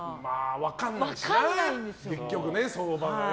分かんないしな、結局相場が。